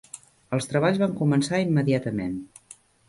Els treballs van començar immediatament.